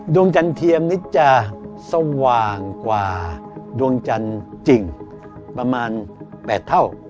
จันเทียมนี่จะสว่างกว่าดวงจันทร์จริงประมาณ๘เท่า